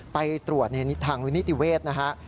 ไปตรวจในทางนิติเวศนะฮะ